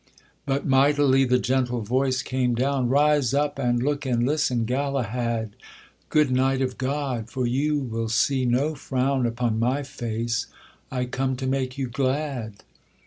But mightily the gentle voice came down: 'Rise up, and look and listen, Galahad, Good knight of God, for you will see no frown Upon my face; I come to make you glad.